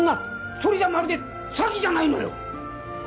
それじゃまるで詐欺じゃないのよ！